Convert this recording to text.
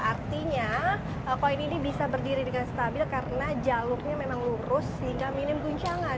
artinya koin ini bisa berdiri dengan stabil karena jalurnya memang lurus sehingga minim guncangan